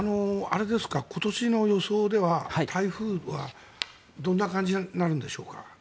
今年の予想では台風はどんな感じになるんでしょうか？